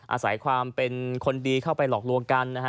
อาศัยความเป็นคนดีเข้าไปหลอกลวงกันนะฮะ